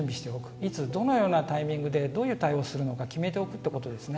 いつ、どのようなタイミングでどういう対応をするのか決めておくということですね。